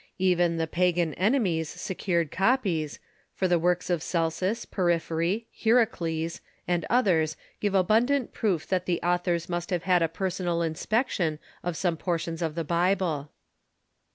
Even the pagan enemies secured copies, for the works of Celsus, Por phyry, Hierocles, and others give abundant proof that the au thors must have had a personal inspection of some portions of the Bible.